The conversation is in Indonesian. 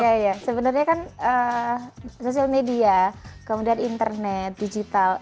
iya iya sebenarnya kan social media kemudian internet digital